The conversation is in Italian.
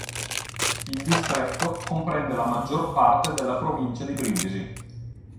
Il distretto comprende la maggior parte della provincia di Brindisi.